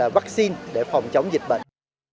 là vaccine để phòng chống dịch bệnh